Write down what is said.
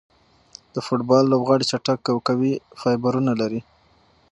د فوټبال لوبغاړي چټک او قوي فایبرونه لري.